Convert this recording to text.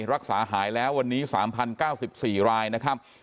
รักษาหายแล้ววันนี้๓๐๙๔รายนะครับ